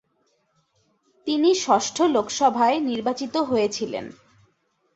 তিনি ষষ্ঠ লোকসভায় নির্বাচিত হয়েছিলেন।